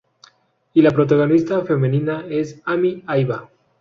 Y la protagonista femenina es: Ami Aiba.